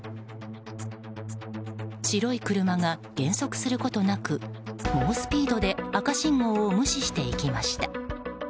白い車が減速することなく猛スピードで赤信号を無視していきました。